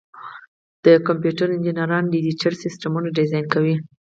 د کمپیوټر انجینران ډیجیټل سیسټمونه ډیزاین کوي.